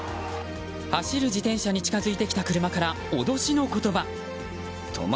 走る自転車に近づいてきた車から脅しの言葉。